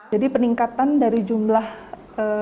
jadi peningkatan dari jumlah sampah